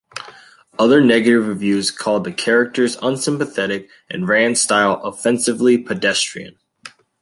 Other negative reviews called the characters unsympathetic and Rand's style "offensively pedestrian".